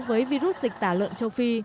với virus dịch tả lợn châu phi